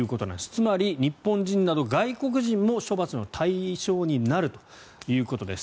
つまり日本人など外国人も処罰の対象になるということです。